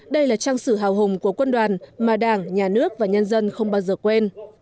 đây là trang sử hào hùng của quân đoàn mà đảng nhà nước và nhân dân không bao giờ quên